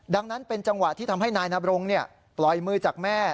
ดังนั้นเป็นจังหวะที่ทำให้นายนบรงปล่อยมือจากแม่